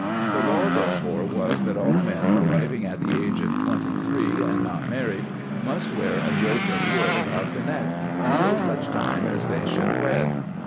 The law therefore was that all men arriving at the age of twenty three and not married must wear a yoke of wood about the neck until such time as they should wed.